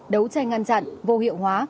đấu tranh ngăn chặn vô hiệu hóa